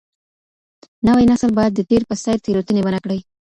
نوی نسل بايد د تېر په څېر تېروتني ونه کړي.